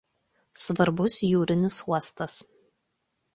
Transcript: Svarbus jūrinis uostas.